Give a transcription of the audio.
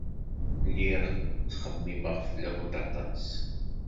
Lliɣ ttxemmimeɣ fell-awent aṭas.